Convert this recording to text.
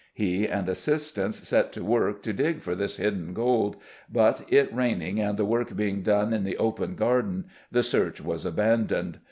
He and assistants set to work to dig for this hidden gold, but "it raining and the work being done in the open garden" the search was abandoned.